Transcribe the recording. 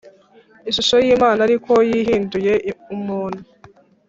ishusho y'Imana, Ariko yihinduye umuntu